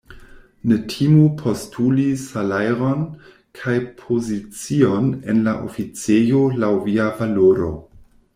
Ne timu postuli salajron kaj pozicion en la oficejo laŭ via valoro.